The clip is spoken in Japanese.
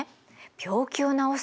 病気を治す？